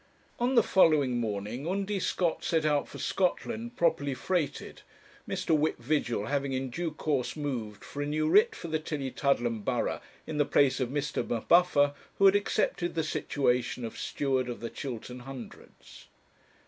On the following morning Undy Scott set out for Scotland, properly freighted, Mr. Whip Vigil having in due course moved for a new writ for the Tillietudlem borough in the place of Mr. M'Buffer, who had accepted the situation of Steward of the Chiltern Hundreds.